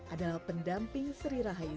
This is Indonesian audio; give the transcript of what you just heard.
adalah pendamping sri rahayu